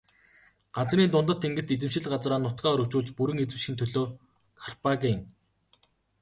Газрын дундад тэнгист эзэмшил газар нутгаа өргөжүүлж бүрэн эзэмшихийн төлөө Карфаген.